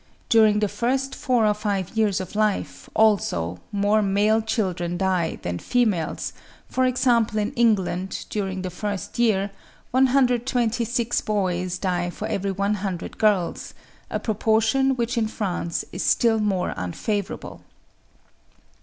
During the first four or five years of life, also, more male children die than females, for example in England, during the first year, 126 boys die for every 100 girls—a proportion which in France is still more unfavourable."